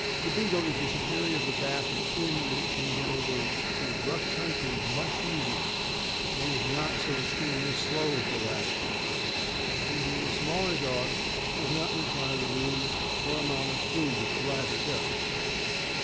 The Beagle is the superior of the Basset in that it can o^et over a rough country much easier, is not so extremely slow as the latter, and, being a smaller dog, does not re quire the room or amount of food that the latter does.